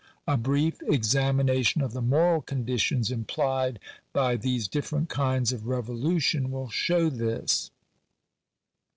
A brief examination of the moral conditions implied by these different kinds of revolution will show this.